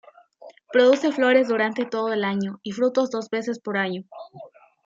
Produce flores durante todo el año y frutos dos veces por año.